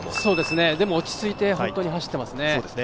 でも、落ち着いて走っていますね。